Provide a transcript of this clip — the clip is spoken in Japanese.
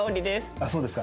あっそうですか。